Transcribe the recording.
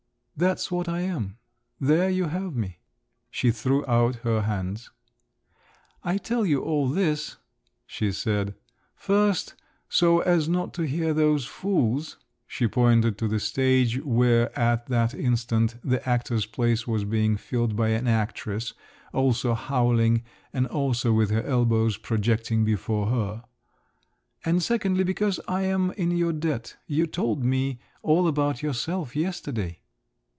That's what I am—there you have me!" She threw out her hands. "I tell you all this," she said, "first, so as not to hear those fools (she pointed to the stage where at that instant the actor's place was being filled by an actress, also howling, and also with her elbows projecting before her) and secondly, because I'm in your debt; you told me all about yourself yesterday."